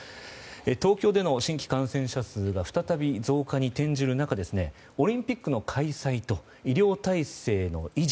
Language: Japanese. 東京での新規感染者数が再び増加に転じる中オリンピックの開催と医療体制の維持。